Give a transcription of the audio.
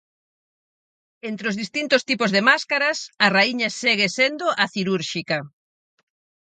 Entre os distintos tipos de máscaras, a raíña segue sendo a cirúrxica.